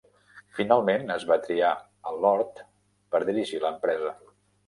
Finalment, es va triar a Lord per dirigir l'empresa.